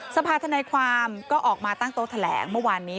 สภาธนายความก็ออกมาตั้งโต๊ะแถลงเมื่อวานนี้